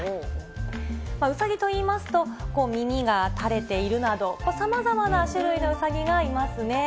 うさぎといいますと、耳が垂れているなど、さまざまな種類のうさぎがいますね。